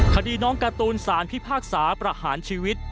คดีน้องการ์ตูนสารพิพากษาประหารชีวิต